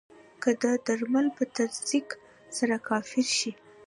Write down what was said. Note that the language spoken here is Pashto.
که د درمل په تزریق سره کافر شي.